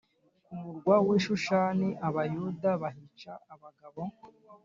Ku murwa w i Shushani Abayuda bahica abagabo